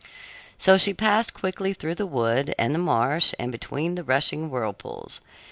So she passed quickly through the wood and the marsh and between the rushing whirlpools.